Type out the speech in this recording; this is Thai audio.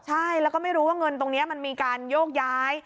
ใช่แล้วก็ไม่รู้ว่าเงินตรงนี้มันมีการโยกย้าย